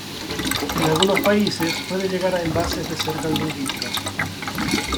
En algunos países puede llegar a envases de cerca de un litro.